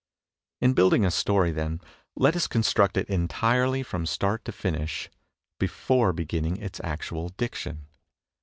In building a story, then, let us construct it entirely from start to finish before beginning its actual diction.